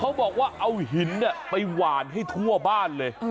เขาบอกว่าเอาหินไปหวานให้ทั่วบ้านเลย